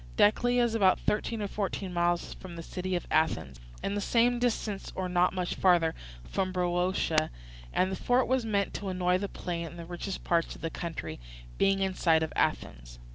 Decelea is about thirteen or fourteen miles from the city of Athens, and the same distance or not much further from Boeotia; and the fort was meant to annoy the plain and the richest parts of the country, being in sight of Athens.